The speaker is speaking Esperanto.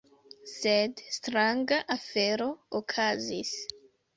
Sed stranga afero okazis.